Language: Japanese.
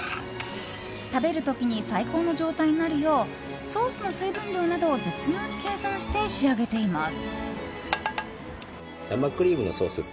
食べる時に最高の状態になるようソースの水分量などを絶妙に計算して仕上げています。